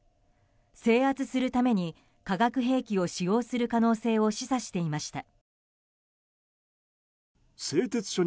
制圧するために化学兵器を使用する可能性を示唆していました。